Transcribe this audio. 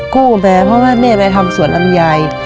กู้แม่เพราะเมฆไปทำสวนรำไย